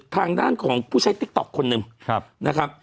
ทางด้านของผู้ใช้ติ๊กต๊อกคนหนึ่งนะครับ